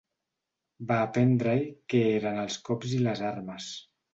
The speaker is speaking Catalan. Va aprendre-hi què eren els cops i les armes.